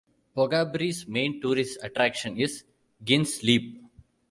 Boggabri's main tourist attraction is Gin's Leap.